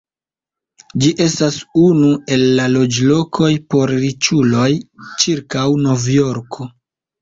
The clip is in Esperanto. Ĝi estas unu el la loĝlokoj por riĉuloj ĉirkaŭ Novjorko.